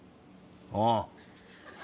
ああ。